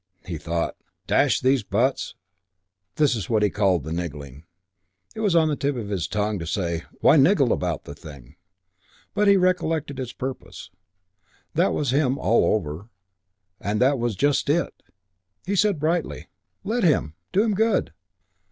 He thought, "Dash these buts!" This was what he called "niggling." It was on the tip of his tongue to say, "Why niggle about the thing?" but he recollected his purpose; that was him all over and that was just it! He said brightly, "Let him. Do him good.